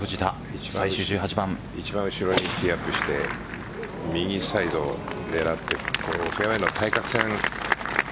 一番後ろにティーアップして右サイド狙ってフェアウェイの対角線に。